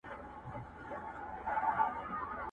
کابل منتر وهلی!!